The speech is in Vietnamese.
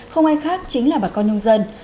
không ai khác chính là bà con nông dân